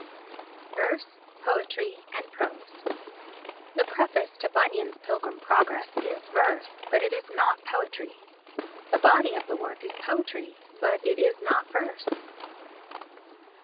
Verse, Poetry and Prose The preface to Bunyan's Pilgrim's Progress is verse, but it is not poetry. The body of the work is poetry, but it is not verse.